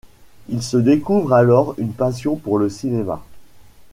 Il se découvre alors une passion pour le cinéma.